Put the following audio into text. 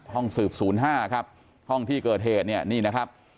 ห้องสืบ๐๕ครับห้องที่เกิดเหตุเนี่ยนี่นะครับ